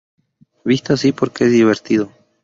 Visto así porque es divertido"".